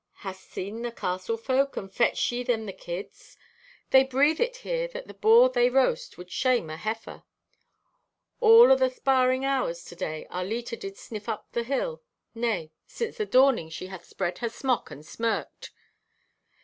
"Hast seen the castle folk? And fetched ye them the kids? They breathe it here that the boar they roast would shame a heiffer. All of the sparing hours today our Leta did sniff her up the hill; nay, since the dawning she hath spread her smock and smirked.